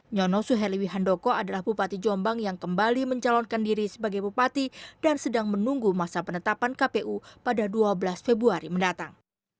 nyono suherliwi handoko adalah bupati jombang yang kembali mencalonkan diri sebagai bupati dan sedang menunggu masa penetapan kpu pada dua belas februari mendatang